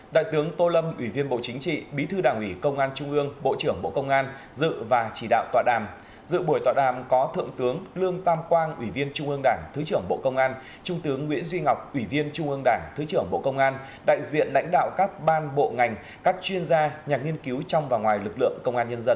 đại tướng tô lâm ủy viên bộ chính trị bí thư đảng ủy công an trung ương bộ trưởng bộ công an dự và chỉ đạo tọa đàm dự buổi tọa đàm có thượng tướng lương tam quang ủy viên trung ương đảng thứ trưởng bộ công an trung tướng nguyễn duy ngọc ủy viên trung ương đảng thứ trưởng bộ công an đại diện lãnh đạo các ban bộ ngành các chuyên gia nhà nghiên cứu trong và ngoài lực lượng công an nhân dân